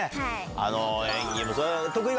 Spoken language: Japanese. あの演技もね。